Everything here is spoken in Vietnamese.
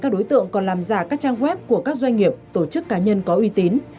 các đối tượng còn làm giả các trang web của các doanh nghiệp tổ chức cá nhân có uy tín